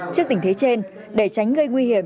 trước tình thế trên để tránh gây nguy hiểm